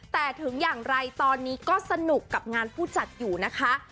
แต่ถึงอย่างไรตอนนี้ก็สนุกกับงานผู้จัดอยู่นะคะ